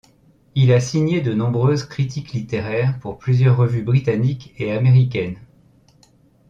Il a signé de nombreuses critiques littéraires pour plusieurs revues britanniques et américaines.